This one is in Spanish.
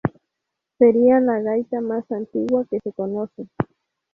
Sería la gaita más antigua que se conoce.